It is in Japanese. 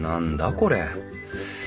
これ。